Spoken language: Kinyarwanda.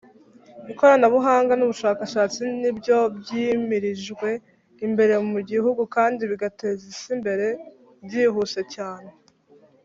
ikoranabuhanga nubushakashatsi nibyo byimirijwe imbere mu gihugu kandi bigateza isi imbere byihuse cyane